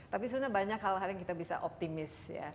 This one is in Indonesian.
tapi sebenarnya banyak hal hal yang kita bisa optimis ya